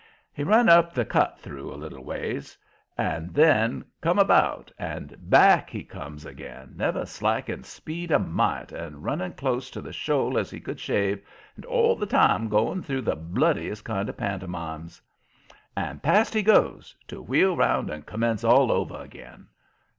He run up the Cut Through a little ways, and then come about, and back he comes again, never slacking speed a mite, and running close to the shoal as he could shave, and all the time going through the bloodiest kind of pantomimes. And past he goes, to wheel 'round and commence all over again.